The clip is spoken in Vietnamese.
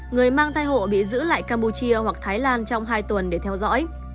người mang thai hộ bị giữ lại campuchia hoặc thái lan trong hai tuần để theo dõi